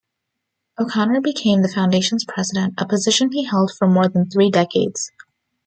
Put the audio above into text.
O'Connor became the foundation's president, a position he held for more than three decades.